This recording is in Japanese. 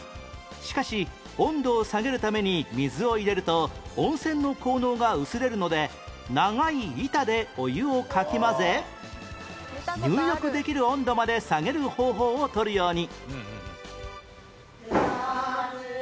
しかし温度を下げるために水を入れると温泉の効能が薄れるので長い板でお湯をかき混ぜ入浴できる温度まで下げる方法を取るように